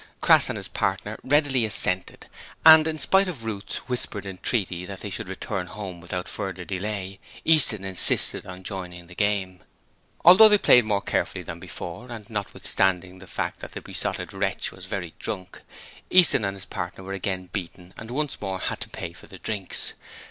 Crass and his partner readily assented, and in spite of Ruth's whispered entreaty that they should return home without further delay, Easton insisted on joining the game. Although they played more carefully than before, and notwithstanding the fact that the Besotted Wretch was very drunk, Easton and his partner were again beaten and once more had to pay for the drinks.